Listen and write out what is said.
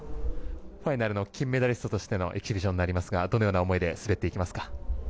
ファイナルの金メダリストとしてのエキシビションになりますがどのような思いで滑っていきますか？